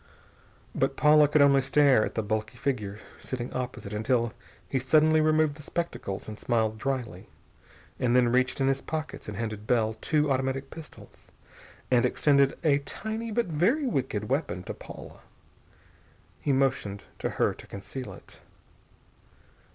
But Paula could only stare at the bulky figure sitting opposite until he suddenly removed the spectacles, and smiled dryly, and then reached in his pockets and handed Bell two automatic pistols, and extended a tiny but very wicked weapon to Paula. He motioned to her to conceal it.